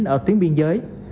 ở tuyến biên giới